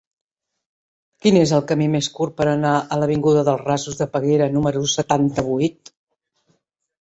Quin és el camí més curt per anar a l'avinguda dels Rasos de Peguera número setanta-vuit?